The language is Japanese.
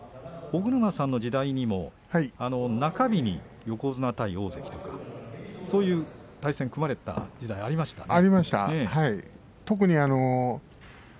尾車さんの時代にも中日に横綱対大関とかそういう対戦が組まれた時代がありました。